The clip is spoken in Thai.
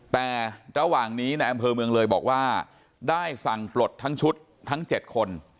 แต่ระหว่างนี้ในอำเภอเมืองเลยบอกว่าได้สั่งปลดทั้งชุดทั้ง๗คน